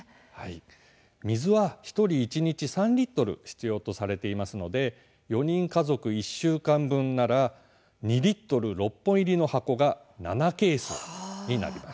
水は１人、一日３リットル必要とされていますので４人家族１週間分なら２リットル６本入りの箱が７ケースになります。